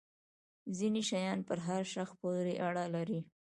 ځینې شیان پر هر شخص پورې اړه لري.